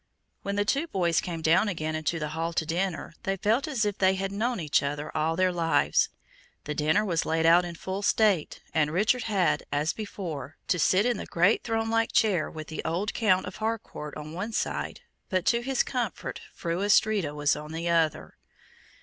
When the two boys came down again into the hall to dinner, they felt as if they had known each other all their lives. The dinner was laid out in full state, and Richard had, as before, to sit in the great throne like chair with the old Count of Harcourt on one side, but, to his comfort, Fru Astrida was on the other.